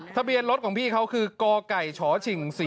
ทะเบียนรถของพี่เขาคือกไก่ชฉิง๔๔